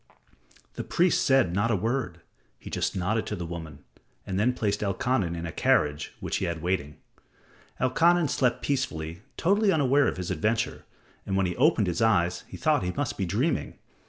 The priest said not a word. He just nodded to the woman, and then placed Elkanan in a carriage which he had in waiting. Elkanan slept peacefully, totally unaware of his adventure, and when he opened his eyes he thought he must be dreaming.